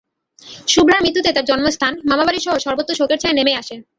শুভ্রার মৃত্যুতে তাঁর জন্মস্থান, মামা বাড়িসহ সর্বত্র শোকের ছায়া নেমে আসে।